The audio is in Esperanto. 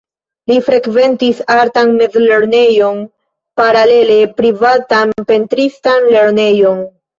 Li frekventis artan mezlernejon, paralele privatan pentristan lernejon.